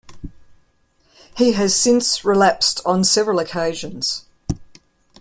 He has since relapsed on several occasions.